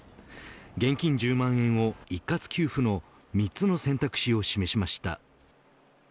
現金１０万円を一括給付の３つの選択肢を示しました。